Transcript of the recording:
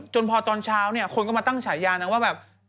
จนพอตอนเช้าคนก็มาตั้งฉายานังว่าแบบ